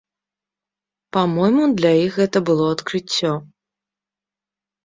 Па-мойму, для іх гэта было адкрыццё.